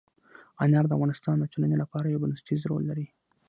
انار د افغانستان د ټولنې لپاره یو بنسټيز رول لري.